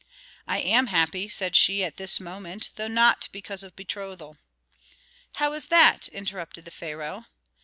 "I am happy," said she, "at this moment, though not because of betrothal." "How is that?" interrupted the pharaoh.